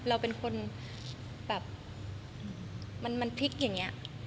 อ้าวเราเป็นคนแบบว่ามันทริกอย่างเงี้ย